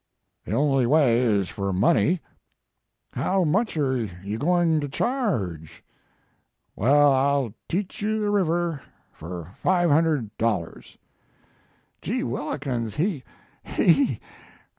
" The only way is for money. " How much are you going to charge? " Well, I ll teach you the river for $500. " Gee whillikens! he! he!